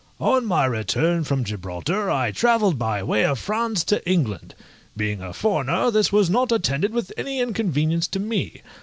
_ On my return from Gibraltar I travelled by way of France to England. Being a foreigner, this was not attended with any inconvenience to me.